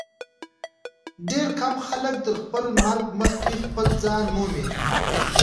ډېر کم خلک تر خپل مرګ مخکي خپل ځان مومي.